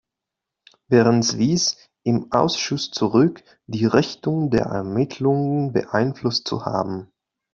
Behrens wies im Ausschuss zurück, die Richtung der Ermittlungen beeinflusst zu haben.